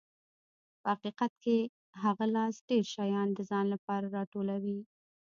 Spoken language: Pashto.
په حقیقت کې هغه لاس ډېر شیان د ځان لپاره راټولوي.